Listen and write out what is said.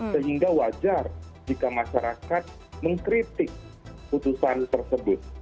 sehingga wajar jika masyarakat mengkritik putusan tersebut